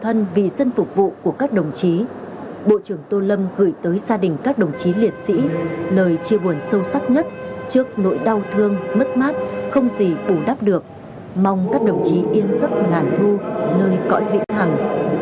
tổ quốc ghi công và nhân dân vì dân phục vụ của các đồng chí bộ trưởng tô lâm gửi tới gia đình các đồng chí liệt sĩ lời chia buồn sâu sắc nhất trước nỗi đau thương mất mát không gì bù đắp được mong các đồng chí yên giấc ngàn thu nơi cõi vị thẳng